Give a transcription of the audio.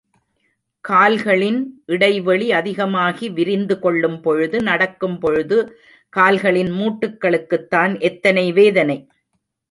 கால்களின் இடைவெளி அதிகமாகி விரிந்து கொள்ளும் பொழுது, நடக்கும் பொழுது கால்களின் மூட்டுக்களுக்குத் தான் எத்தனை வேதனை?